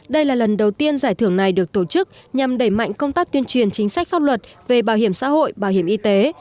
đây là lần đầu tiên giải thưởng này được tổ chức nhằm đẩy mạnh công tác tuyên truyền chính sách pháp luật về bảo hiểm xã hội bảo hiểm y tế